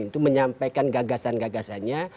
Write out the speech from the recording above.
itu menyampaikan gagasan gagasannya